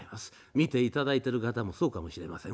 見ていただいている方もそうかもしれません。